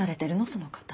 その方。